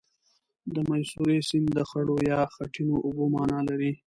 د میسوری سیند د خړو یا خټینو اوبو معنا لري.